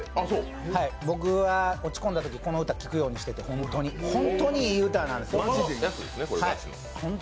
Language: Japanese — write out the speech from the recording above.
僕は落ち込んだとき、この歌、聴くようにしてて本当にいい歌なんですよ。